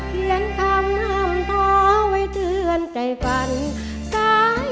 เขียนคำอำเทาะไว้เตือนใจฝันสายเรื่องน้ำตาเอิง